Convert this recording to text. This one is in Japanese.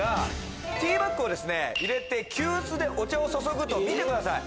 ティーバッグを入れて急須で注ぐと見てください！